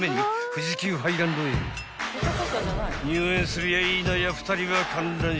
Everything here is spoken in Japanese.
［入園するやいなや２人は観覧車へ］